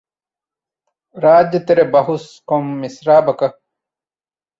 ރާއްޖެތެރެ ބަހުސް ކޮން މިސްރާބަކަށް؟